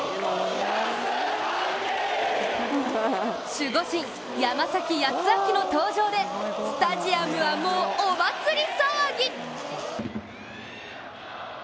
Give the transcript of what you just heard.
守護神・山崎康晃の登場で、スタジアムはもう、お祭り騒ぎ。